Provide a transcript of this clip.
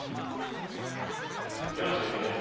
では中継です。